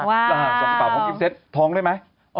ส่งกระเป๋าพร้อมกิ๊กเซ็ตท้องได้ไหม